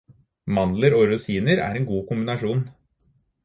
Mandler og rosiner er en god kombinasjon